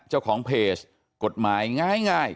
เจ้าของเพจกฎหมายง่าย